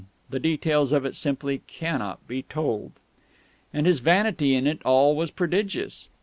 The details of it simply cannot be told.... And his vanity in it all was prodigious.